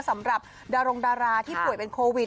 สำหรับดารงดาราที่ป่วยเป็นโควิด